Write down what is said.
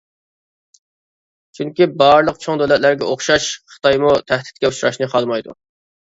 چۈنكى بارلىق چوڭ دۆلەتلەرگە ئوخشاش، خىتايمۇ تەھدىتكە ئۇچراشنى خالىمايدۇ.